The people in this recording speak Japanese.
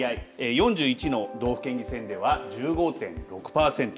４１の道府県議選では１５．６パーセント。